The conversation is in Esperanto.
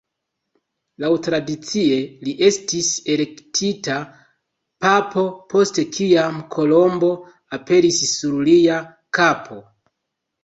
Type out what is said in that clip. Laŭtradicie, li estis elektita papo, post kiam kolombo aperis sur lia kapo.